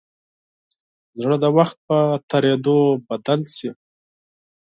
زړه د وخت په تېرېدو بدل شي.